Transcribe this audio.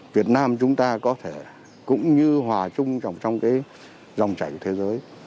việt nam chúng ta có thể cũng như hòa chung trong dòng chảy thế giới